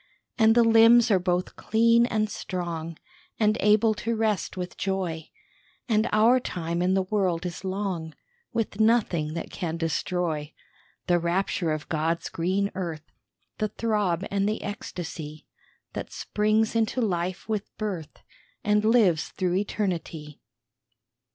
And the limbs are both clean and strong, And able to rest with joy, And our time in the world is long, With nothing that can destroy The rapture of God's green earth, The throb and the ecstasy That springs into life with birth, And lives through eternity.